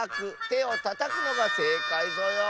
てをたたくのがせいかいぞよ。